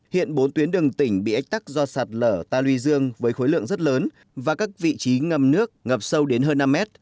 hiện bốn tuyến đường tỉnh bị ách tắc do sạt lở ta luy dương với khối lượng rất lớn và các vị trí ngầm nước ngập sâu đến hơn năm mét